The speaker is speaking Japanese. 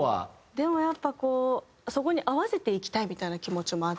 でもやっぱこうそこに合わせていきたいみたいな気持ちもあったり。